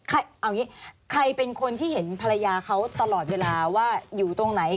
เอาอย่างนี้ใครเป็นคนที่เห็นภรรยาเขาตลอดเวลาว่าอยู่ตรงไหน